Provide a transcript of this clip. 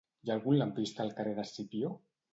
Hi ha algun lampista al carrer d'Escipió?